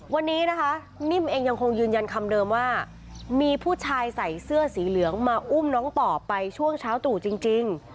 วันนี้นะคะนิ่มเองยังคงยืนยันคำเดิมว่ามีผู้ชายใส่เสื้อสีเหลืองมาอุ้มน้องต่อไปช่วงเช้าตู่จริง